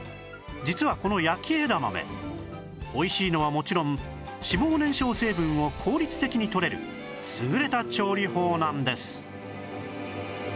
実はこの焼き枝豆美味しいのはもちろん脂肪燃焼成分を効率的にとれる優れた調理法なんです